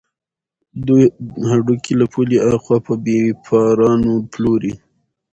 دوی هډوکي له پولې اخوا په بېپارانو پلوري.